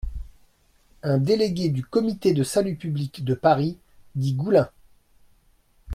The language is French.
Un délégué du Comité de salut public de Paris, dit Goullin.